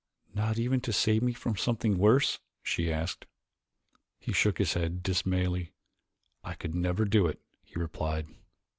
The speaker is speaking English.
"Not even to save me from something worse?" she asked. He shook his head dismally. "I could never do it," he replied.